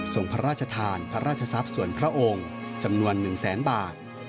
ส่งพระราชทานพระราชทรัพย์ส่วนพระองค์จำนวน๑แสนบาท